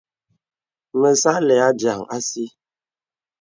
Me sà àlə̄ adiāŋ àsi.